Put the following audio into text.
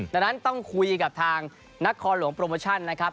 ดังนั้นต้องคุยกับทางนครหลวงโปรโมชั่นนะครับ